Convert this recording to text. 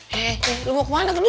hei lo mau kemana gendut